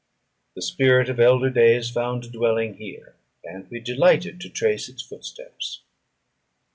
The spirit of elder days found a dwelling here, and we delighted to trace its footsteps.